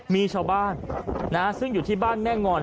มีชาวบ้านซึ่งอยู่ที่บ้านแม่งอน